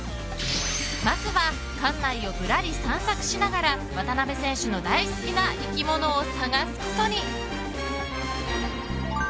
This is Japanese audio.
まずは館内をぶらり散策しながら渡辺選手の大好きな生き物を探すことに。